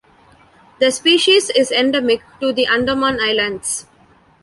The species is endemic to the Andaman Islands.